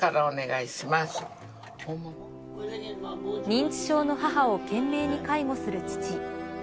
認知症の母を懸命に介護する父。